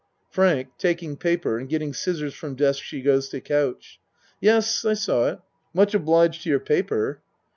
FRANK (Taking paper and getting scissors from desk she goes to couch.) Yes, I saw it. Much obliged to your paper.